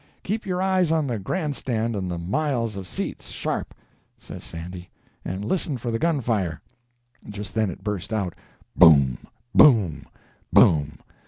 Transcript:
"Keep your eyes on the Grand Stand and the miles of seats—sharp!" says Sandy, "and listen for the gun fire." Just then it burst out, "Boom boom boom!"